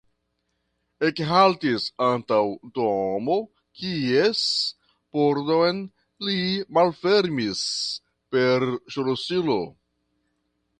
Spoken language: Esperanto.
Ekhaltis antaŭ domo, kies pordon li malfermis per ŝlosilo.